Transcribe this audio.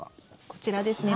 こちらですね。